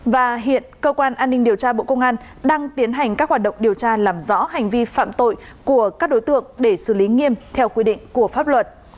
và hiện cơ quan an ninh điều tra bộ công an đang tiến hành các hoạt động điều tra làm rõ hành vi phạm tội của các đối tượng để xử lý nghiêm theo quy định của pháp luật